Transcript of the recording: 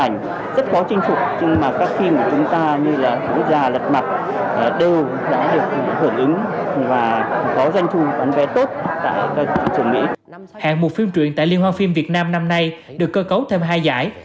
hạng mục phim truyện tại liên hoan phim việt nam năm nay được cơ cấu thêm hai giải